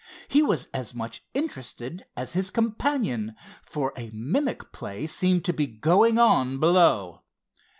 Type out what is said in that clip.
He was as much interested as his companion, for a mimic play seemed going on below.